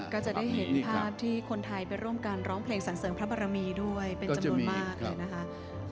ก็จะได้เห็นภาพที่คนไทยไปร่วมกันร้องเพลงสรรเสริมพระบรมีด้วยเป็นจำนวนมากเลยนะคะ